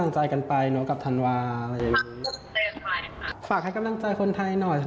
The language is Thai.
อย่าจะบอกทุกคนมากเลยคือตัวนี้เป็นตีวเข้าซองไนทาม์นะคะ